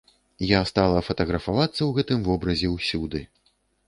Я стала фатаграфавацца ў гэтым вобразе ўсюды!